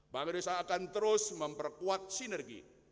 bank indonesia akan terus memperkuat sinergi